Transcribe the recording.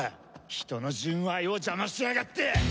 人の純愛を邪魔しやがって！